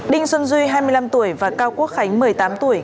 đinh xuân duy hai mươi năm tuổi và cao quốc khánh một mươi tám tuổi